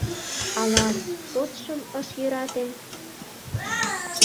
Ала подшым ыш йӧрате